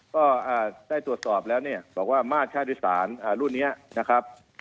ก็ใดตรวจตอบแล้วเนี่ยบอกว่ามา่าธรรมรุ่นนี้นะครับ